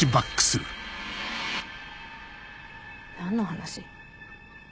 何の話？